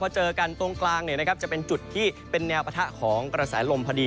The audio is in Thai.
เจอกันตรงกลางจะเป็นจุดที่เป็นแนวปะทะของกระแสลมพอดี